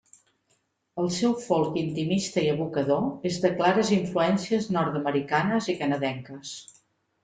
El seu folk intimista i evocador és de clares influències nord-americanes i canadenques.